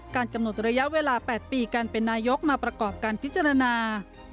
กำหนดระยะเวลา๘ปีการเป็นนายกมาประกอบการพิจารณา